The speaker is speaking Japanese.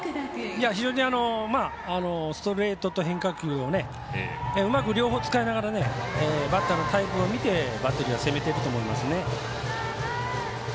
非常にストレートと変化球をうまく両方使いながらバッターのタイプを見てバッテリーは攻めていると思いますね。